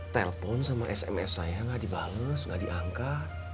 telepon sama sms saya gak dibales gak diangkat